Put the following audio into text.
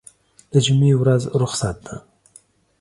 دجمعې ورځ رخصت ده